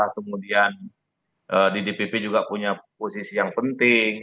kemudian di dpp juga punya posisi yang penting